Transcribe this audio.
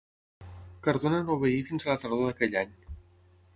Cardona no obeí fins a la tardor d'aquell any.